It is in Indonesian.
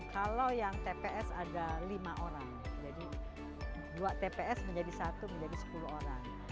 kalau yang tps ada lima orang jadi dua tps menjadi satu menjadi sepuluh orang